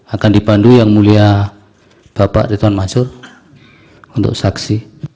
akan dipandu yang mulia bapak rituan mansur untuk saksi